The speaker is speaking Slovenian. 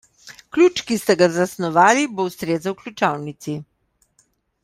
Ključ, ki ste ga zasnovali, bo ustrezal ključavnici.